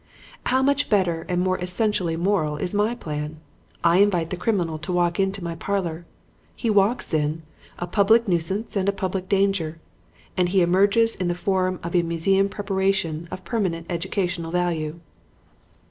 "How much better and more essentially moral is my plan! I invite the criminal to walk into my parlor. He walks in, a public nuisance and a public danger; and he emerges in the form of a museum preparation of permanent educational value.